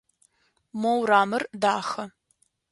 Мо урамыр дахэ.